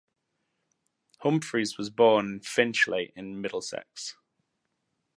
Humphreys was born in Finchley in Middlesex.